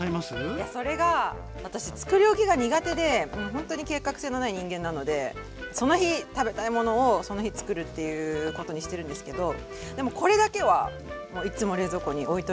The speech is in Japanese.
いやそれが私作り置きが苦手でもうほんとに計画性のない人間なのでその日食べたいものをその日作るっていうことにしてるんですけどでもこれだけはもういっつも冷蔵庫に置いといてます。